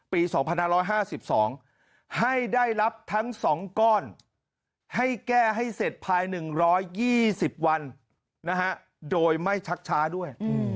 ปี๒๕๕๒ให้ได้รับทั้ง๒ก้อนให้แก้ให้เสร็จภาย๑๒๐วันโดยไม่ชักช้าด้วย